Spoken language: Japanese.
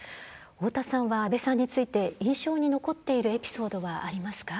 大田さんは、安倍さんについて印象に残っているエピソードはありますか？